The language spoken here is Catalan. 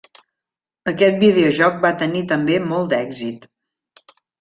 Aquest videojoc va tenir també molt d'èxit.